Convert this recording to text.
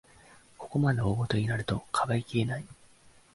ここまで大ごとになると、かばいきれない